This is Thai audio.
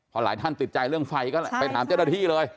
พอหลายท่านติดใจเรื่องไฟก็ไปถามเจ้าหน้าที่เลย